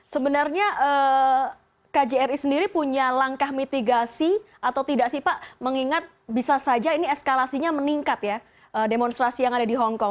sebenarnya kjri sendiri punya langkah mitigasi atau tidak sih pak mengingat bisa saja ini eskalasinya meningkat ya demonstrasi yang ada di hongkong